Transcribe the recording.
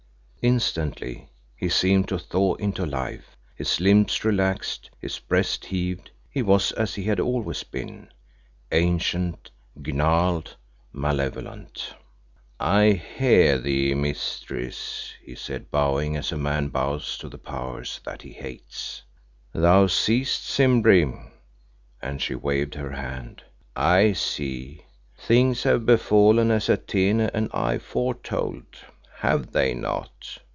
Instantly he seemed to thaw into life, his limbs relaxed, his breast heaved, he was as he had always been: ancient, gnarled, malevolent. "I hear thee, mistress," he said, bowing as a man bows to the power that he hates. "Thou seest, Simbri," and she waved her hand. "I see. Things have befallen as Atene and I foretold, have they not?